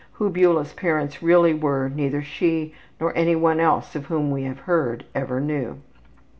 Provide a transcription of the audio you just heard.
Who Beula's parents really were neither she nor any one else of whom we have heard, ever knew.